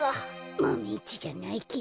マメ１じゃないけどね。